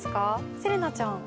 せれなちゃん。